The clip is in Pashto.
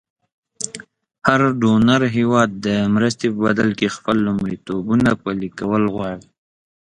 هر ډونر هېواد د مرستې په بدل کې خپل لومړیتوبونه پلې کول غواړي.